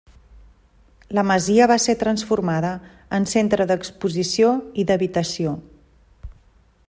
La masia va ser transformada en centre d'exposició i d'habitació.